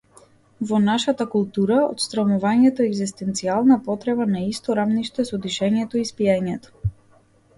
Во нашата култура, отсрамувањето е егзистенцијална потреба на исто рамниште со дишењето и спиењето.